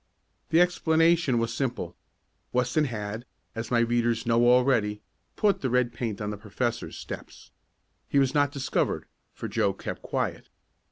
The explanation was simple. Weston had, as my readers know already, put the red paint on the professor's steps. He was not discovered, for Joe kept quiet.